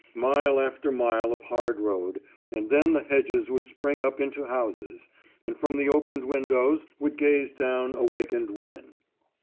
Mile after mile of hard road, and then the hedges would spring up into houses, and from the opened windows would gaze down awakened women.